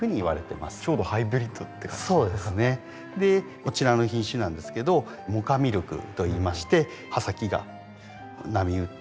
こちらの品種なんですけど萌花ミルクといいまして葉先が波打って。